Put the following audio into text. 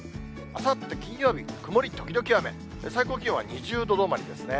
あさって金曜日、曇り時々雨、最高気温は２０度止まりですね。